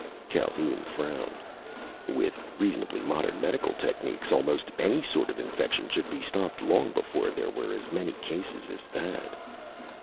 Calhoun frowned. With reasonably modern medical techniques, almost any sort of infection should be stopped long before there were as many cases as that!